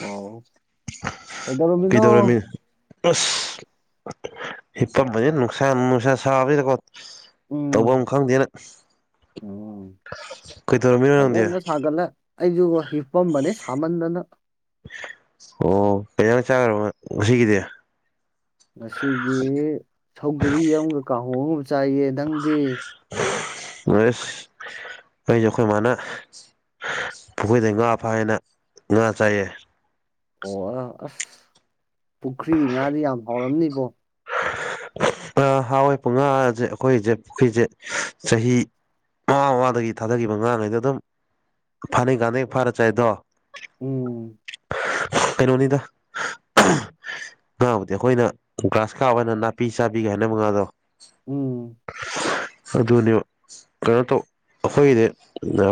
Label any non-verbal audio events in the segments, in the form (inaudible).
ꯑꯣ ꯀꯩꯗꯧꯔꯝꯃꯤꯅꯣ ꯀꯩꯗꯧꯔꯝꯃꯤ ꯑꯁ ꯍꯄꯝꯝꯕꯅꯤ ꯅ ꯅꯨꯁꯥꯟ ꯅꯁꯥꯟ ꯁꯥꯕ ꯇꯐꯝ ꯎꯝ ꯑꯃ ꯈꯪꯗꯦꯅ ꯎꯝ ꯀꯩꯗꯔꯃꯤ ꯑꯣꯏꯗ ꯑꯖꯨꯒꯣ ꯍꯤꯞꯄꯝ ꯁꯃꯟꯗꯅ ꯑꯣ ꯀꯖꯅ ꯆꯥꯈ꯭ꯔꯕ ꯉꯁꯤꯒꯤꯗꯤ ꯉꯁꯤꯒꯤ ꯁꯧꯒꯔꯤ ꯑꯃꯒ ꯀꯥꯡꯍꯣꯡ ꯑꯃ ꯆꯥꯏꯌꯦ ꯅꯪꯗꯤ ꯑ ꯑꯩꯁꯨ ꯑꯩꯈꯣꯏ ꯃꯥꯅ ꯄꯨꯈꯣꯏꯗ ꯉꯥꯞ ꯐ ꯍꯥꯏꯅ ꯆꯌꯦ ꯑꯣ ꯑꯁ ꯄꯨꯈ꯭ꯔꯤ ꯉꯥꯗꯤ ꯌꯥꯝ ꯍꯥꯎꯔꯝꯅꯤꯕꯣ ꯍꯥꯎꯋꯦ ꯄꯨꯡꯉꯥꯁꯦ ꯑꯩꯈꯣꯏꯁꯦ ꯄꯨꯈ꯭ꯔꯤꯁꯦ ꯆꯍꯤ ꯃꯃꯥ ꯃꯃꯗꯒꯤ ꯊꯥꯗꯈꯤꯕ ꯑꯉꯥꯡꯉꯩꯗ ꯑꯗꯨꯝ ꯐꯥꯅꯤ ꯀꯥꯟꯗꯩ ꯐꯥꯔꯠꯁꯦꯗꯣ ꯎꯝ ꯀꯩꯅꯣꯅꯤꯗ ꯉꯥꯕꯨꯗꯤ ꯑꯩꯈꯣꯏꯅ ꯒ꯭ꯔꯥꯁ ꯀꯥ ꯑꯣꯏꯅ ꯅꯥ ꯄꯤ ꯁꯥꯥꯕꯤꯒ ꯍꯥꯏꯅ ꯃꯉꯥꯗꯣ ꯎꯝ ꯑꯗꯨꯅꯦ ꯀꯩꯅꯣ ꯇꯧ ꯑꯩꯈꯣꯏꯒꯤꯗꯤ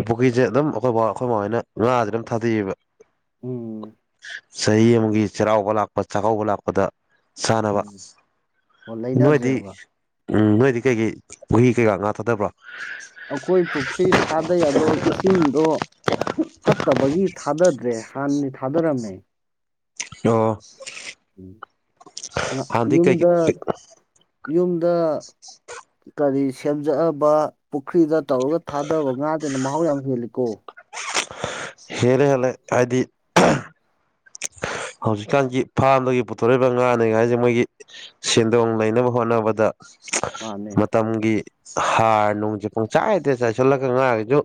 ꯄꯨꯈ꯭ꯔꯤꯁꯦ ꯑꯗꯨꯝ ꯑꯩꯈꯣꯏ ꯕ ꯑꯩꯈꯣꯏ ꯃꯕꯥꯅ ꯉꯥꯁꯦ ꯑꯗꯨꯝ ꯊꯥꯗꯩꯑꯕ ꯎꯝ ꯆꯍꯤ ꯑꯃꯒꯤ ꯆꯩꯔꯥꯎꯕ ꯂꯥꯛꯄ ꯆꯥꯛꯀꯧꯕ ꯂꯥꯛꯄꯗ ꯁꯅꯅꯕ ꯎꯝ ꯑꯣ ꯂꯩꯅꯗ꯭ꯔꯦ ꯑꯃ ꯎꯝ ꯅꯣꯏꯗꯤ ꯀꯩꯒꯤ ꯄꯨꯍꯤ ꯀꯩꯀꯥ ꯉꯥ ꯊꯥꯗꯕ꯭ꯔꯥ ꯑꯩꯈꯣꯏ ꯄꯨꯈ꯭ꯔꯤ ꯊꯥꯗꯩ ꯑꯗꯣ ꯏꯁꯤꯡꯗꯣ ꯐꯠꯇꯕꯒꯤ ꯊꯥꯗꯗ꯭ꯔꯦ ꯍꯥꯟꯅꯅꯤ ꯊꯥꯗꯔꯝꯃꯦ ꯑꯣ ꯎꯝ ꯍꯥꯟꯅꯗꯤ ꯀꯩ ꯌꯨꯝꯗ ꯌꯨꯝꯗ ꯀꯔꯤ ꯁꯦꯝꯖꯑꯕ ꯄꯨꯈ꯭ꯔꯤꯗ ꯇꯧꯔꯒ ꯊꯥꯗꯕ ꯉꯥꯗꯅ ꯃꯍꯥꯎ ꯌꯥꯝ ꯍꯦꯜꯂꯤꯀꯣ ꯍꯦ ꯂꯩ ꯍꯦꯂ ꯂꯩ ꯍꯥꯏꯥꯏꯗꯤ ꯍꯧꯖꯤꯛꯀꯥꯟꯒꯤ ꯐꯥꯝꯗꯒꯤ ꯄꯨꯊꯣꯔꯏꯕ ꯉꯥꯅꯤ ꯉꯥꯏꯁꯦ ꯃꯣꯏꯒꯤ ꯁꯦꯟꯗꯣꯡ ꯂꯩꯅꯕ ꯍꯣꯠꯅꯕꯗ ꯃꯥꯅꯦ ꯃꯇꯝꯒꯤ ꯍꯥꯔ ꯅꯨꯡꯁꯦ ꯄꯨꯡꯆꯥꯏꯗꯦ ꯆꯥꯏꯁꯤꯜꯂꯒ ꯉꯥꯔꯒꯁꯨ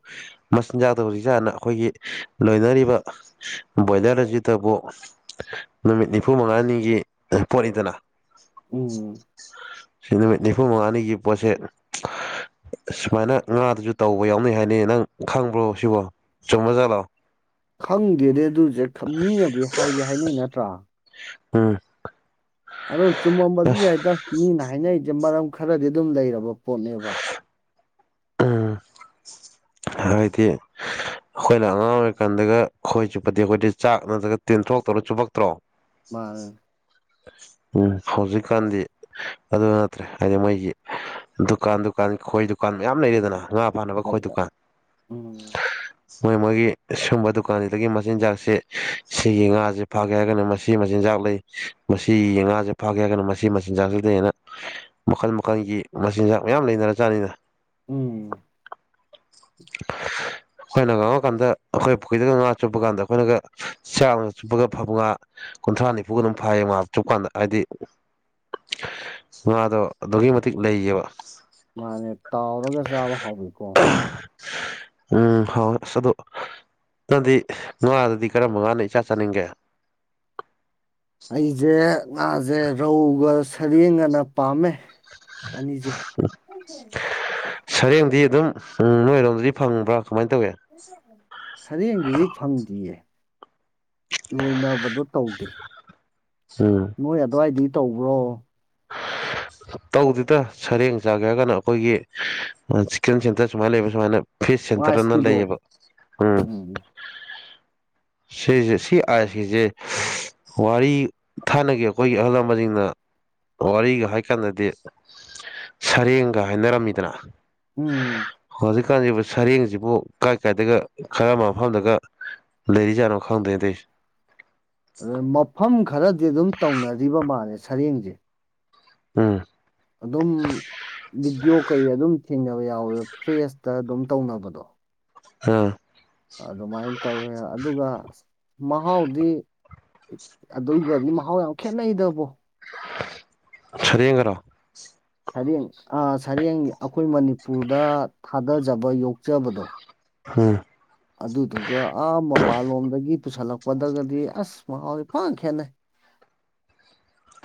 ꯃꯆꯤꯟꯖꯥꯛꯇ ꯍꯧꯖꯤꯛ ꯆꯥꯅ ꯑꯩꯈꯣꯏꯒꯤ ꯂꯣꯏꯅꯔꯤꯕ ꯕꯣꯏꯂꯔꯖꯤꯠ ꯇꯕꯨ ꯅꯨꯃꯤꯠ ꯅꯤꯐꯨ ꯃꯉꯥꯅꯤꯒꯤ ꯄꯣꯠꯅꯤꯗꯅ ꯎꯝ ꯁꯤ ꯅꯨꯃꯤꯠ ꯅꯤꯐꯨ ꯃꯉꯥꯅꯤꯒꯤ ꯄꯣꯠꯁꯦ ꯁꯨꯃꯥꯏꯅ ꯉꯥꯗꯨꯁꯨ ꯇꯧꯕ ꯌꯥꯎꯅꯩ ꯍꯥꯏꯅꯤ ꯅꯪ ꯈꯪꯕ꯭ꯔꯣ ꯁꯤꯕꯣ ꯆꯨꯝꯃꯖꯥꯠꯂꯣ ꯈꯪꯗꯦꯗꯤ ꯑꯗꯨꯁꯦ ꯃꯤꯅꯗꯤ ꯍꯥꯏꯗꯤ ꯍꯥꯏꯅꯩ ꯅꯠꯇ꯭ꯔꯥ ꯎꯝ ꯑꯣ ꯆꯨꯝꯃꯝꯕꯁꯨ ꯑꯁ ꯌꯥꯏꯗ ꯃꯤꯅ ꯍꯥꯏꯅꯔꯤꯁꯦ ꯃꯔꯝ ꯈꯔꯗꯤ ꯑꯗꯨꯝ ꯂꯩꯔꯕ ꯄꯣꯠꯅꯦꯕ ꯍꯥꯏꯗꯤ ꯑꯩꯈꯣꯏꯅ ꯑꯉꯥꯡ ꯑꯣꯏꯔꯤꯀꯥꯟꯗꯒ ꯑꯩꯈꯣꯏ ꯆꯨꯞꯄꯗꯤ ꯑꯩꯈꯣꯏꯗꯤ ꯆꯥꯛ ꯅꯠꯇ꯭ꯔꯒ ꯇꯦꯟꯊꯣꯛꯇꯧꯔꯣ ꯆꯨꯞꯄꯛꯇ꯭ꯔꯣ ꯃꯥ ꯎꯝ ꯍꯧꯖꯤꯛꯀꯥꯟꯗꯤ ꯑꯗꯨ ꯅꯠꯇ꯭ꯔꯦ ꯍꯥꯏꯗꯤ ꯃꯩꯒꯤ ꯗꯨꯀꯥꯟ ꯗꯨꯀꯥꯟ ꯈꯣꯏ ꯗꯨꯀꯥꯟ ꯃꯌꯥꯝ ꯂꯩꯔꯦꯗꯅ ꯉꯥ ꯐꯥꯅꯕ ꯂꯩ ꯈꯣꯏ ꯗꯨꯀꯥꯟ ꯎꯝ ꯃꯣꯏ ꯃꯣꯏꯒꯤ ꯁꯨꯝꯕ ꯗꯨꯀꯥꯟꯁꯤꯗꯒꯤ ꯃꯆꯤꯟꯖꯥꯛꯁꯤ ꯁꯤꯒꯤ ꯉꯥꯁ ꯐꯥꯒꯦ ꯍꯥꯏꯔꯒꯅ ꯃꯁꯤ ꯃꯆꯤꯟꯖꯥꯛ ꯆꯥꯛ ꯂꯩ ꯃꯁꯤ ꯉꯥꯁꯦ ꯐꯥꯒꯦ ꯍꯥꯏꯔꯒꯅ ꯃꯁꯤ ꯃꯆꯤꯟꯖꯥꯛꯁꯤꯗ ꯍꯦꯟꯅ ꯃꯈꯜ ꯃꯈꯜꯒꯤ ꯃꯆꯤꯟꯖꯥꯛ ꯃꯌꯥꯝ ꯂꯩꯅꯔ ꯆꯥꯅꯤꯅ ꯎꯝ (inaudible) ꯑꯩꯈꯣꯏꯅ ꯉꯥꯡꯉꯀꯥꯟꯗ ꯑꯩꯈꯣꯏ ꯄꯨꯈ꯭ꯔꯤꯗꯒ ꯉꯥ ꯆꯨꯞꯄ ꯀꯥꯟꯗ ꯑꯩꯈꯣꯏꯅꯒ ꯆꯥꯡꯅ ꯆꯨꯞꯄꯒ ꯐꯕ ꯉꯥ ꯀꯨꯟꯊ꯭ꯔꯥ ꯅꯤꯐꯨꯒ ꯑꯗꯨꯝ ꯐꯩꯌꯦ ꯃꯥ ꯆꯨꯞꯀꯥꯟꯗ ꯍꯥꯏꯗꯤ ꯉꯗꯣ ꯑꯗꯨꯛꯀꯤ ꯃꯇꯤꯛ ꯂꯩꯌꯦꯕ ꯃꯥꯅꯦ ꯇꯥꯎꯔꯒ ꯆꯥꯕ ꯍꯥꯎꯋꯤꯀꯣ ꯎꯝ ꯍꯥꯎ ꯁ ꯑꯗꯨꯣ ꯅꯪꯗꯤ ꯉꯥꯗꯗꯤ ꯀꯔꯝꯕ ꯀꯥꯟꯅ ꯏꯆꯥ ꯆꯥꯅꯤꯡꯒꯦ ꯑꯩꯁꯦ ꯉꯥꯁꯦ ꯔꯧꯒ ꯁꯔꯦꯡꯒꯅ ꯄꯥꯝꯃꯦ ꯑꯅꯤꯁꯦ ꯁꯔꯦꯡꯗꯤ ꯑꯗꯨꯝ ꯅꯣꯏꯔꯣꯝꯗꯗꯤ ꯐꯪꯕ꯭ꯔꯥ ꯀꯃꯥꯏꯅ ꯇꯧꯒꯦ ꯁꯔꯦꯡꯗꯨꯗꯤ ꯐꯪꯗ꯭ꯔꯤꯌꯦ ꯂꯣꯏꯅꯕꯗꯣ ꯇꯧꯗꯦ ꯎꯝ ꯅꯣꯏ ꯑꯗꯨꯋꯥꯏꯗꯤ ꯇꯧꯕ꯭ꯔꯣ (inaudible) ꯇꯧꯗꯨꯗ ꯁꯔꯦꯡ ꯆꯥꯒꯦ ꯍꯥꯏꯔ ꯀꯥꯟꯅ ꯑꯩꯈꯣꯏꯒꯤ ꯆꯤꯛꯀꯦꯟ ꯁꯦꯟꯇꯔ ꯁꯨꯃꯥꯏꯅ ꯂꯩꯕ ꯁꯨꯃꯥꯏꯅ ꯐꯤꯁ ꯁꯦꯟꯇꯔꯅ ꯑꯥꯏꯁꯀꯤꯗꯣ ꯂꯩꯌꯦꯕ ꯎꯝ ꯁꯤꯁ ꯁꯤ ꯑꯁꯤꯖꯦ ꯋꯥꯔꯤ ꯊꯥꯅꯒꯦ ꯑꯩꯈꯣꯏꯒꯤ ꯑꯍꯜ ꯂꯃꯟꯁꯤꯡꯅ ꯋꯥꯔꯤꯒ ꯍꯥꯏꯀꯥꯟꯗꯗꯤ ꯁꯔꯦꯡꯒ ꯍꯥꯏꯅꯔꯝꯃꯤꯗꯅ ꯎꯝ ꯍꯧꯖꯤꯛꯀꯥꯟꯁꯤ ꯁꯔꯦꯡꯁꯤꯕꯨ ꯀꯥꯏ ꯀꯥꯏꯗꯒ ꯈꯔ ꯃꯐꯝꯗꯒ ꯂꯩꯔꯤ ꯆꯅꯣ ꯈꯥꯗꯗꯤ ꯑ ꯃꯐꯝ ꯈꯔꯗꯤ ꯑꯗꯨꯝ ꯇꯧꯅꯔꯤꯕ ꯃꯥꯜꯂ ꯁꯔꯦꯡꯁꯦ ꯑꯝ ꯑꯗꯨꯝ ꯕꯤꯗꯣ ꯀꯩ ꯑꯗꯨꯝ ꯊꯤꯡꯅꯕ ꯌꯥꯎꯋꯦꯕ ꯐ꯭ꯔꯦꯁꯇ ꯑꯗꯨꯝ ꯇꯧꯅꯕꯗꯣ ꯎꯝ ꯑꯗꯨꯃꯥꯏꯅ ꯇꯧꯋꯦ ꯑꯗꯨꯒ ꯃꯍꯥꯎꯗꯤ ꯑꯗꯨꯒꯗꯤ ꯃꯍꯥꯎ ꯌꯥꯝ ꯈꯦꯠꯅꯩꯗꯕꯣ ꯁꯗꯤꯡꯒꯔꯣ ꯁꯔꯦꯡ ꯁꯔꯦꯡ ꯑꯩꯈꯣꯏ ꯃꯅꯤꯄꯨꯔꯗ ꯊꯥꯗꯖꯕ ꯌꯣꯛꯆꯕꯗꯣ ꯍꯥ ꯑꯗꯨꯗꯨꯒ ꯑꯥ ꯃꯄꯥꯟꯂꯣꯝꯗꯒꯤ ꯄꯨꯁꯜꯂꯛꯄꯗꯒꯗꯤ ꯑꯁ ꯃꯍꯥꯎ ꯄꯥꯛ ꯈꯦꯅꯩ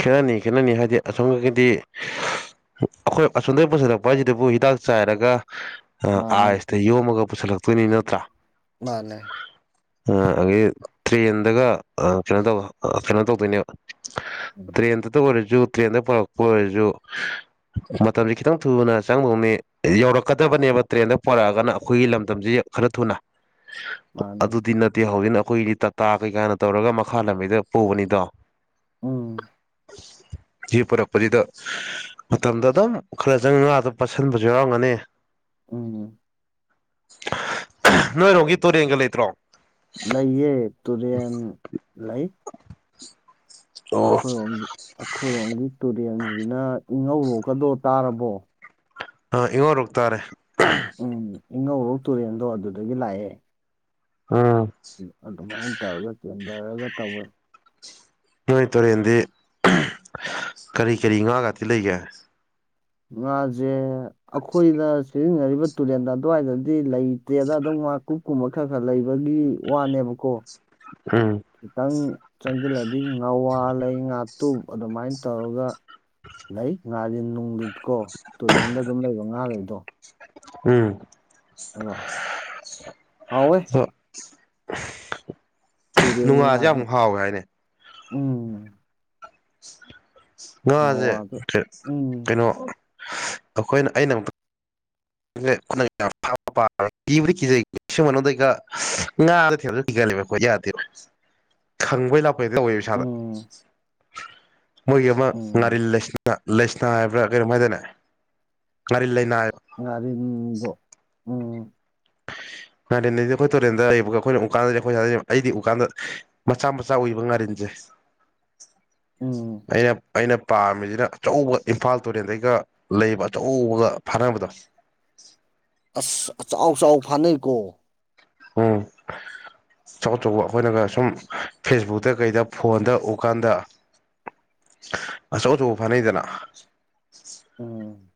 ꯈꯦꯠꯅꯅꯤ ꯈꯦꯠꯅꯅꯤ ꯍꯥꯏꯗꯤ ꯑꯁꯣꯝ ꯈꯀꯤꯗꯤ ꯑꯩꯈꯣꯏ ꯑꯁꯣꯝꯗꯒꯤꯩ ꯄꯨꯁꯤꯜꯂꯛꯄ ꯍꯥꯏꯁꯤꯗꯕꯨ ꯍꯤꯗꯥꯛ ꯆꯥꯏꯔꯒ ꯃꯥꯅꯦ ꯑꯥꯏꯁꯇ ꯌꯣꯝꯃꯒ ꯄꯨꯁꯤꯜꯂꯛꯇꯣꯏꯅꯤ ꯅꯠꯇ꯭ꯔꯥ ꯃꯥꯅꯦ ꯑ ꯑꯗꯒꯤ ꯇ꯭ꯔꯦꯟꯗꯒ ꯀꯩꯅꯣ ꯇꯧꯕ ꯀꯩꯅꯣ ꯇꯧꯗꯣꯏꯅꯦꯕ ꯎꯝ ꯇ꯭ꯔꯦꯟꯗꯇ ꯑꯣꯏꯔꯁꯨ ꯇ꯭ꯔꯦꯟꯗ ꯄꯨꯔꯛꯄ ꯑꯣꯏꯔꯁꯨ ꯃꯇꯝꯁꯦ ꯈꯤꯇꯪ ꯊꯨꯅ ꯆꯪꯗꯧꯅꯤ ꯌꯧꯔꯛꯀꯗꯕꯅꯦꯕ ꯇ꯭ꯔꯦꯟꯗ ꯄꯣꯔꯛꯑꯒꯅ ꯑꯩꯈꯣꯏꯒꯤ ꯂꯝꯗꯝꯁꯤ ꯈꯔ ꯊꯨꯅ ꯃꯥꯅꯦ ꯑꯗꯨꯗꯤ ꯅꯠꯇꯦ ꯍꯧꯖꯤꯛꯅ ꯑꯩꯈꯣꯏꯏꯅꯤ ꯇꯥꯇꯥ ꯀꯩꯀꯥꯅ ꯇꯧꯔꯒ ꯃꯈꯥ ꯂꯝꯕꯤꯗ ꯄꯨꯕꯅꯤꯗꯣ ꯎꯝ (inaudible) ꯄꯨꯔꯛꯄꯁꯤꯗ ꯃꯇꯝꯗ ꯑꯗꯨꯝ ꯈꯔ ꯆꯪ ꯉꯥꯗ ꯄꯥꯠꯁꯤꯟꯕꯁꯨ ꯌꯥꯎꯔꯝꯒꯅꯤ ꯎꯝ ꯅꯣꯏꯔꯣꯝꯒꯤ ꯇꯨꯔꯦꯟꯒ ꯂꯩꯇ꯭ꯔꯣ ꯂꯩꯌꯦ ꯇꯨꯔꯦꯟ ꯂꯩ ꯑꯣ ꯑꯩꯈꯣꯏꯔꯣꯝ ꯑꯩꯈꯣꯏꯔꯣꯝꯒꯤ ꯇꯨꯔꯦꯟꯁꯤꯅ ꯏꯍꯧꯔꯣꯛꯀꯗꯣ ꯇꯥꯔꯕꯣ ꯑ ꯏꯉꯣꯔꯣꯛ ꯇꯥꯔꯦ ꯎꯝ ꯏꯉꯧꯔꯣꯛ ꯇꯨꯔꯦꯟꯗꯣ ꯑꯗꯨꯗꯒꯤ ꯂꯥꯛꯑꯦ ꯎꯝ ꯑꯗꯨꯃꯥꯏꯅ ꯇꯧꯔꯒ ꯆꯦꯟꯊꯔꯒ ꯇꯧꯋꯅꯤ ꯅꯣꯏ ꯇꯨꯔꯦꯟꯗꯤ ꯀꯔꯤ ꯀꯔꯤ ꯉꯥ ꯉꯥꯛꯇꯤ ꯂꯩꯒꯦ ꯃꯥꯁꯦ ꯑꯩꯈꯣꯏꯅ ꯁꯤꯖꯤꯟꯅꯔꯤꯕ ꯇꯨꯔꯦꯟꯗ ꯑꯗꯨꯋꯥꯏꯗꯗꯤ ꯂꯩꯇꯦꯗ ꯑꯗꯨꯝ ꯀꯨꯞ ꯀꯨꯝꯕ ꯈꯔ ꯈꯔ ꯂꯩꯕꯒꯤ ꯋꯥꯅꯦꯕꯀꯣ ꯎꯝ ꯈꯤꯇꯪ ꯆꯪꯁꯤꯜꯂꯗꯤ ꯉꯋꯥ ꯂꯩ ꯉ ꯑꯗꯨꯃꯥꯏꯅ ꯇꯧꯔꯒ ꯂꯩ ꯉꯥꯥꯁ ꯅꯨꯡꯗꯤ ꯀꯣ ꯇꯨꯔꯦꯟꯗ ꯑꯗꯨꯝ ꯂꯩꯕ ꯉꯥꯈꯩꯗꯣ ꯎꯝ ꯑ ꯍꯥꯎ ꯑꯣꯏꯦ ꯑꯗꯣ ꯇꯨꯔꯦꯟꯒꯤ ꯅꯨꯡꯉꯥꯁꯦ ꯉꯥꯁꯨ ꯑꯃꯨ ꯍꯥꯎꯋꯦ ꯍꯥꯏꯅꯦ ꯎꯝ ꯉꯥꯁꯦ ꯅꯋꯥꯗꯣ ꯎꯝ ꯀꯩꯅꯣ ꯑꯩꯈꯣꯏꯅ ꯑꯩꯅ (unintelligible) (inaudible) ꯤꯕꯗꯤ ꯀꯤꯩ ꯁꯤꯩ ꯉꯥ ꯊ ꯀꯤꯒꯂꯕꯣ ꯌꯥꯗꯦꯕ ꯈꯪꯕꯩ ꯂꯥꯛꯄꯩꯗꯤ ꯇꯧꯋꯦ ꯏꯁꯩꯥꯗ ꯎꯝ ꯃꯣꯏꯒꯤ ꯑꯃ ꯎꯝ ꯉꯥꯔꯤꯜ ꯂꯩꯥꯏꯁ ꯂꯩꯥꯏꯁꯅꯥ ꯍꯥꯏꯕ꯭ꯔꯥ ꯀꯔꯤꯝ ꯍꯥꯏꯗꯅꯦ ꯉꯥꯔꯤꯜ ꯂꯩꯥꯏꯅꯥ ꯑꯔꯤꯗ ꯎꯝ ꯉꯗꯤ ꯑꯩꯈꯣꯏ ꯇꯨꯔꯦꯟꯗ ꯑꯕ ꯑꯩꯈꯣꯏꯅ ꯎꯀꯥꯟꯗꯗꯤ ꯑꯩꯈꯣꯏ ꯑꯩꯗꯤ ꯎꯀꯥꯟꯗ ꯃꯆꯥ ꯃꯆꯥ ꯎꯏ ꯉꯔꯤꯦ ꯎꯝ ꯑꯩꯅ ꯑꯩꯅ ꯄꯥꯝꯃꯤꯁꯤꯅ ꯑꯆꯧꯕ ꯏꯝꯐꯥꯜ ꯇꯨꯔꯦꯟꯗꯩꯒ ꯂꯩꯕ ꯑꯆꯧꯕꯒ ꯐꯅꯕꯗꯣ (unintelligible) (inaudible) ꯑꯁ ꯆꯥꯎ ꯆꯥꯎ ꯐꯥꯅꯩꯀꯣ ꯑꯝ ꯑꯆꯧ ꯑꯆꯧꯕ ꯑꯩꯈꯣꯏꯅꯒ ꯁꯨꯝ ꯐꯦꯁꯕꯨꯛꯇ ꯀꯩꯗ ꯐꯣꯟꯗ ꯎꯀꯥꯟꯗ ꯑꯆꯧ ꯑꯆꯧꯕ ꯐꯅꯩꯗꯅ ꯎꯝ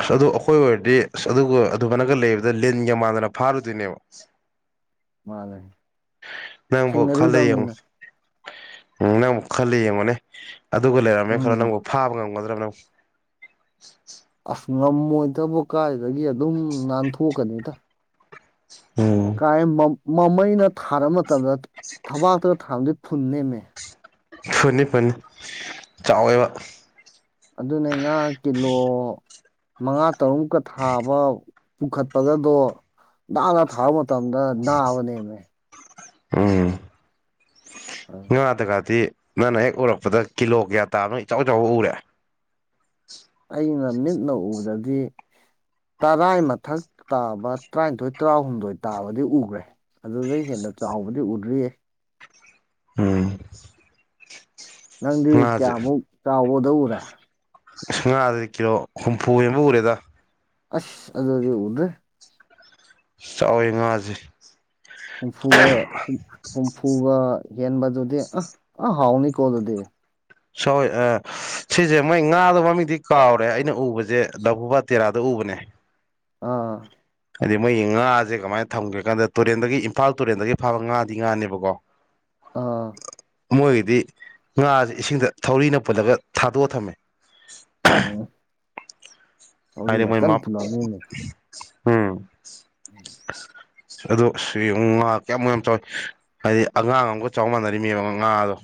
ꯑꯁ ꯑꯗꯨ ꯑꯩꯈꯣꯏ ꯑꯣꯏꯔꯗꯤ ꯑꯁ ꯑꯗꯨꯒ ꯑꯗꯨꯃꯥꯏꯅꯒ ꯂꯩꯕꯗ ꯂꯤꯟꯒ ꯃꯥꯟꯗꯅ ꯐꯥꯔꯨꯗꯣꯏꯅꯦꯕ ꯃꯥꯅꯦꯦ ꯅꯪꯕꯨꯣ ꯈꯂ ꯌꯦꯡ ꯎꯝ ꯅꯪꯕꯨ ꯈꯂ ꯌꯦꯡꯅꯦ ꯑꯗꯨꯒ ꯂꯩꯔꯝꯃꯦ ꯈꯔ ꯎꯝ ꯅꯪꯕꯨ ꯐꯥꯕ ꯉꯝꯒꯗ꯭ꯔꯕ ꯅꯪ ꯉꯝꯃꯣꯏꯗꯕ ꯀꯥꯏꯗꯒꯤ ꯑꯗꯨꯝ ꯅꯥꯟꯊꯣꯛꯀꯅꯤꯗ ꯎꯝ ꯀꯥꯏ ꯃꯃꯩꯅ ꯊꯥꯔ ꯃꯇꯝꯗ ꯊꯕꯥꯛꯇꯒ ꯊꯥꯔꯝꯗꯤ ꯐꯟꯦꯃꯦ ꯐꯅꯤ ꯐꯅꯤ ꯆꯥꯎꯋꯦꯕ ꯑꯗꯨꯅꯦ ꯉꯥ ꯀꯤꯂꯣ ꯃꯉꯥ ꯇꯔꯨꯛꯃꯨꯛꯀ ꯊꯥꯕ ꯄꯨꯈꯠꯄꯒꯗꯣ ꯗ ꯊꯥꯔ ꯃꯇꯨꯡ ꯣ ꯑꯅ ꯅ ꯑ ꯅꯃꯦ ꯎꯝ ꯑ, ꯏ ꯃꯥꯇ ꯀꯥꯇꯤ ꯅꯪꯅ ꯍꯦꯛ ꯎꯔꯛꯄꯗ ꯀꯤꯂꯣ ꯀꯌꯥ ꯇꯥꯕꯅꯣ ꯏꯆꯥꯎ ꯆꯥꯎꯥꯎꯕ ꯎꯔꯦ ꯑꯩꯅ ꯃꯤꯠꯅ ꯎꯕꯗꯗꯤ ꯇꯔꯥꯏ ꯃꯊꯛ ꯇꯥꯕ ꯇꯔꯥꯅꯤꯊꯣꯏ ꯇꯔꯥꯍꯨꯝꯗꯣꯏ ꯇꯥꯕꯗꯤ ꯎꯈ꯭ꯔꯦ ꯑꯗꯨꯗ ꯍꯦꯟꯅ ꯆꯥꯎꯕꯗꯤ ꯎꯗ꯭ꯔꯤꯌꯦ ꯎꯝ ꯅꯪꯗꯤ ꯉꯥꯁꯦ ꯀꯌꯥꯃꯨꯛ ꯆꯥꯎꯕꯗ ꯎꯔꯦ ꯨꯡ ꯉꯥꯗꯗꯤ ꯀꯤꯂꯣ ꯍꯨꯝꯐꯨ ꯍꯕ ꯎꯔꯦꯗ ꯑꯁ ꯑꯗꯨꯗ ꯑꯗꯨꯗꯤ ꯎꯟ꯭ꯔꯦ ꯆꯥꯎꯋꯦ ꯉꯥꯁꯦ ꯍꯨꯝꯐꯨꯒ ꯍꯨꯝꯐꯨꯒ ꯌꯦꯟꯕꯗꯨꯗꯤ ꯑ ꯑ ꯍꯥꯎꯅꯤ ꯀꯣ ꯑꯗꯨꯗꯤ ꯁꯣꯏ ꯑ ꯁꯤꯁꯦ ꯃꯣꯏ ꯉꯥꯗꯣ ꯃꯃꯤꯡꯗꯤ ꯀꯥꯎꯔꯦ ꯑꯩꯅ ꯎꯕꯁꯦ ꯐꯨꯕꯥꯇꯦꯔꯥꯗ ꯎ ꯎꯕꯅꯦ ꯑꯥ ꯍꯥꯏꯗꯤ ꯃꯣꯏꯒꯤ ꯉꯥꯁꯦ ꯀꯃꯥꯏꯅ ꯊꯝꯒꯦ ꯀꯥꯟꯗ ꯇꯨꯔꯦꯟꯗꯒꯤ ꯏꯝꯐꯥꯜ ꯇꯨꯔꯦꯟꯗꯒꯤ ꯐꯥꯕ ꯉꯥꯗꯤ ꯉꯥꯅꯦꯕꯀꯣ ꯑꯥ ꯃꯣꯏꯒꯤꯗꯤ ꯉꯥꯁꯦ ꯏꯁꯤꯡꯗ ꯊꯧꯔꯤꯅ ꯄꯨꯜꯂꯒ ꯊꯥꯗꯣꯛꯑ ꯊꯝꯃꯦ ꯎꯝ ꯑꯗꯤ ꯊꯧꯔꯤꯅ ꯃꯣꯏ ꯀꯟꯅ ꯊꯨꯝꯂꯝꯅꯤꯅꯦ ꯎꯝ ꯑꯗꯣ ꯁꯤ ꯉꯥ ꯀꯌꯥꯃꯨꯛ ꯌꯥꯝ ꯆꯥꯎꯋꯤ ꯍꯥꯏꯗꯤ ꯑꯉꯥꯡ ꯑꯃꯒꯥ ꯆꯥꯎ ꯃꯥꯟꯅꯔꯤꯅꯦꯕ ꯉꯥ ꯗꯣ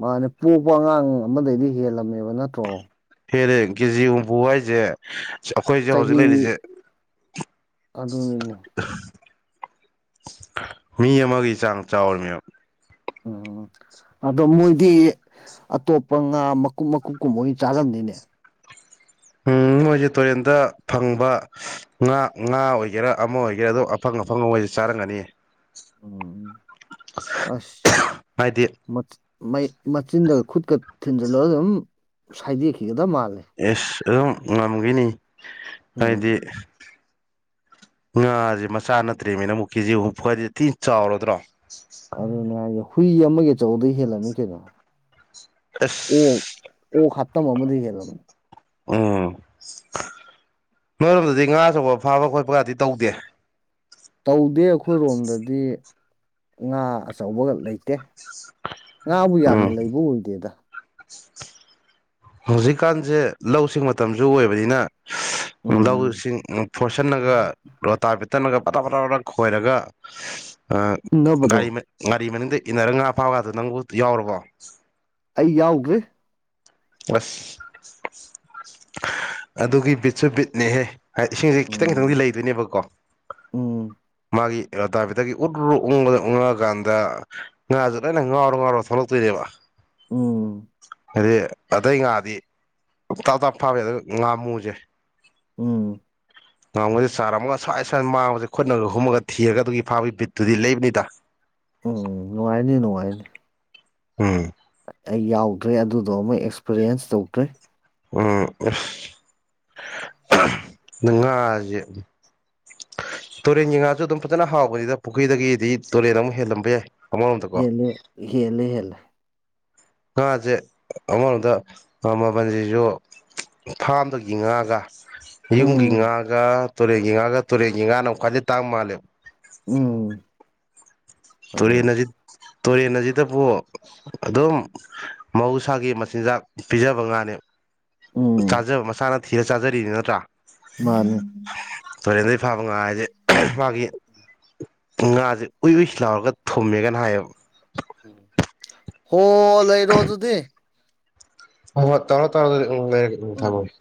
ꯃꯥꯅꯦ ꯄꯣꯛꯄ ꯑꯉꯥꯡ ꯑꯃꯗꯩꯗꯤ ꯍꯦꯜꯂꯝꯃꯦꯕ ꯅꯠꯇ꯭ꯔꯣ ꯍꯦꯜꯂꯦ ꯀꯖꯤ ꯍꯨꯝꯐꯨ ꯍꯥꯏꯖꯦ ꯑꯩꯈꯣꯏꯁꯦ ꯍꯧꯖꯤꯛ ꯆꯍꯤ ꯂꯩꯔꯤꯁꯦ ꯑꯗꯨꯅꯤꯅꯦ ꯃꯤ ꯑꯃꯒꯤ ꯆꯥꯡ ꯆꯥꯎꯔꯤꯅꯦꯕꯥ ꯎꯝ ꯑꯗꯣ ꯃꯣꯏꯗꯤ ꯑꯇꯣꯞꯄ ꯉꯥ ꯃꯀꯨꯞ ꯃꯀꯨꯞ ꯀꯨꯝꯕ ꯑꯣꯏꯅ ꯆꯥꯔꯝꯅꯤꯅꯦ ꯎꯝ ꯃꯣꯏꯁꯦ ꯇꯨꯔꯦꯟꯗ ꯐꯪꯕ ꯉꯥ ꯉꯥ ꯑꯣꯏꯒꯦꯔꯥ ꯑꯃ ꯑꯣꯏꯒꯦꯔꯥ ꯑꯗꯣ ꯑꯐꯪ ꯑꯐꯪ ꯃꯣꯏꯁꯦ ꯆꯥꯏ ꯆꯥꯔꯝꯒꯅꯤ ꯎꯝ ꯑꯁ ꯍꯥꯏꯗꯤ ꯃꯊꯤ ꯃꯆꯤꯟꯗꯒ ꯈꯨꯠꯀ ꯊꯤꯟꯖꯤꯜꯂꯒ ꯑꯗꯨꯝ ꯁꯥꯏꯗꯦꯛꯈꯤꯒꯗꯕ ꯃꯥꯜꯂꯦ ꯑꯦꯁ ꯑꯗꯨꯝ ꯉꯝꯈꯤꯅꯤ ꯎꯝ ꯍꯥꯏꯗꯤ ꯉꯥꯁꯦ ꯃꯆꯥ ꯅꯠꯇ꯭ꯔꯦꯃꯤ ꯅꯪꯕꯨ ꯀꯦꯖꯤ ꯍꯨꯝꯐꯨ ꯍꯥꯏꯖꯦ ꯊꯤ ꯆꯥꯎꯔꯗ꯭ꯔꯣ ꯑꯗꯨꯅꯦ ꯍꯥꯏꯖꯦ ꯍꯨꯏ ꯑꯃꯒꯤ ꯑꯆꯧꯕꯗꯤ ꯍꯦꯜꯂꯝꯅꯤ ꯀꯩꯅꯣ ꯑꯁ ꯑꯣꯛ ꯑꯣꯛ ꯍꯥꯇꯝ ꯑꯃꯗꯤꯒꯤ ꯍꯦꯜꯂꯕꯅꯦ ꯎꯝ ꯅꯣꯏꯔꯣꯝꯗꯗꯤ ꯉꯥ ꯑꯆꯧꯕꯥ ꯐꯥꯕ ꯈꯣꯠꯄꯒꯗꯤ ꯇꯧꯗꯦ ꯇꯧꯗꯦ ꯑꯩꯈꯣꯏꯔꯣꯝꯗꯗꯤ ꯉꯥ ꯑꯆꯧꯕ ꯂꯩꯇꯦ ꯉꯥꯕꯨ ꯌꯥꯝꯅ ꯎꯝ ꯂꯩꯕ ꯎꯗꯦꯗ ꯍꯧꯖꯤꯛꯀꯥꯟꯁꯦ ꯂꯧꯁꯤꯡ ꯃꯇꯝꯁꯨ ꯑꯣꯏꯕꯅꯤꯅ ꯎꯝ ꯎꯝ ꯂꯧꯁꯤꯡ ꯐꯣꯔꯁꯟ ꯅꯥꯒꯥ ꯂꯣꯇꯥꯕꯤ ꯑꯗꯨꯅꯒ ꯄꯊꯞ ꯄꯊꯞ ꯈꯣꯏꯔꯒ ꯎꯅꯕꯗꯣ ꯒꯥꯔꯤ ꯉꯥ ꯒꯥꯔꯤ ꯃꯅꯨꯡꯗ ꯏꯟꯅꯔꯒ ꯉꯥ ꯐꯥꯕꯒꯗꯨ ꯅꯪꯕꯨ ꯌꯥꯎꯔꯕꯣ ꯑꯩ ꯌꯥꯎꯗ꯭ꯔꯤ ꯑꯁ ꯑꯗꯨꯒꯤ ꯕꯤꯠꯁꯨ ꯕꯤꯠꯅꯦꯍꯦ ꯍꯥꯏꯗꯤ ꯏꯁꯤꯡꯁꯦ ꯈꯤꯇꯪ ꯈꯤꯇꯪꯗꯤ ꯎꯝ ꯂꯩꯗꯣꯏꯅꯦꯕꯀꯣ ꯎꯝ (unintelligible) ꯃꯥꯒꯤ ꯇꯐꯦꯠꯇꯒꯤ ꯎꯔꯨꯔ ꯎ ꯎꯪꯉꯛꯑꯀꯥꯟꯗ ꯉꯥꯥꯁꯦ ꯂꯣꯏꯅ ꯉꯥꯎꯔꯣ ꯉꯥꯎꯔ ꯊꯣꯛꯂꯛꯇꯣꯏꯅꯦ ꯁꯦꯕ ꯎꯝ ꯍꯥꯏꯗꯤ ꯑꯇꯩ ꯉꯥꯗꯤ ꯇꯞ ꯇꯞ ꯐꯥꯕꯥ ꯑꯗ ꯉꯥ ꯃꯨꯁꯦ ꯎꯝ ꯆꯥꯔꯝꯃꯒ ꯁ꯭ꯋꯥꯏ ꯁ꯭ꯏ ꯃꯥꯡꯕꯁꯦ ꯈꯨꯠꯅꯒ ꯍꯨꯝꯃꯒ ꯊꯤꯔꯒ ꯑꯗꯨꯒꯤ ꯐꯥꯕꯒꯤ ꯕꯤꯠꯇꯨꯗꯤ ꯂꯩꯕꯅꯤꯗ ꯎꯝ ꯅꯨꯡꯉꯥꯏꯅꯤ ꯅꯨꯡꯉꯥꯏꯅꯤ ꯎꯝ ꯑꯩ ꯌꯥꯎꯗ꯭ꯔꯦ ꯑꯗꯨꯗꯣ ꯑꯃꯨꯛ ꯑꯦꯛꯁꯄꯔꯤꯌꯦꯟꯁ ꯇꯧꯗ꯭ꯔꯦ ꯎꯝ ꯎꯁ ꯉꯥ ꯁꯦ ꯇꯨꯔꯦꯟꯒꯤ ꯉꯥꯁꯨ ꯑꯗꯨꯝ ꯐꯖꯅ ꯍꯥꯎꯕꯅꯤꯗ ꯄꯨꯈ꯭ꯔꯤꯗꯒꯤꯗꯤ ꯇꯨꯔꯦꯟꯅꯥ ꯑꯃꯨꯛ ꯍꯦꯜꯂꯝꯕ ꯌꯥꯏ ꯑꯃꯔꯣꯝꯗꯀꯣ ꯍꯦꯜꯂꯦ ꯍꯦꯜꯂꯦ ꯍꯦꯜꯂꯦ ꯉꯥꯁꯦ ꯑꯃꯔꯣꯝꯗ ꯃꯃꯜꯁꯤꯁꯨ ꯐꯥꯔꯝ ꯗꯒꯤ ꯉꯥ ꯒꯥ ꯌꯨꯝꯒꯤ ꯎꯝ ꯉꯥꯒ ꯇꯨꯔꯦꯟꯒꯤ ꯉꯥꯒ ꯇꯨꯔꯦꯟꯒꯤ ꯉꯥꯅ ꯑꯃꯨꯛ ꯈꯋ꯭ꯥꯏꯗꯩ ꯇꯥꯡꯕ ꯃꯥꯜꯂꯦ ꯎꯝ ꯑꯗꯨ ꯇꯨꯔꯦꯜ ꯅꯥꯗꯤ ꯇꯨꯔꯦꯟ ꯑꯁꯤꯗꯕꯨ ꯑꯗꯨꯝ ꯃꯍꯧꯁꯥꯒꯤ ꯃꯆꯤꯟꯖꯥꯛ ꯄꯤꯖꯕ ꯉꯥꯅꯤ ꯎꯝ ꯆꯥꯖꯕ ꯃꯁꯥꯅ ꯊꯤꯔ ꯆꯥꯖꯔꯤꯅꯤ ꯅꯠꯇ꯭ꯔꯥ ꯃꯥꯅꯦ ꯁꯥꯥꯕ ꯉꯥ ꯍꯥꯏꯁꯦ ꯃꯥꯒꯤ ꯉꯥꯁꯦ ꯎꯏ ꯎꯏꯁꯤ ꯂꯥꯎꯔꯒ ꯊꯨꯝꯃꯦꯒꯅ ꯍꯥꯏꯌꯦꯕ ꯍꯣ ꯂꯩꯔꯣ ꯑꯗꯨꯗꯤ ꯍꯣ ꯍꯣ ꯇꯧꯔꯣ ꯇꯧꯔꯣ ꯑꯗꯨꯗꯤ ꯎꯝ ꯊꯝꯃꯒꯦ